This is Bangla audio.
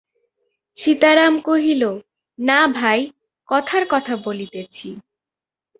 সীতারাম কহিল, না ভাই, কথার কথা বলিতেছি!